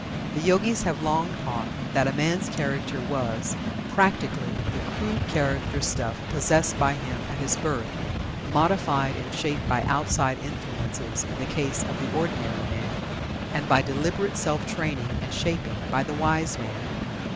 The Yogis have long taught that a man's character was, practically, the crude character stuff possessed by him at his birth, modified and shaped by outside influences in the case of the ordinary man, and by deliberate self training and shaping by the wise man.